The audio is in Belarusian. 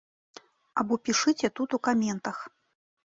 Або пішыце тут у каментах.